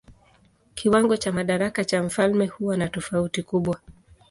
Kiwango cha madaraka cha mfalme huwa na tofauti kubwa.